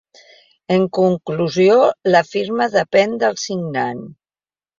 En conclusió, la firma depèn del signant.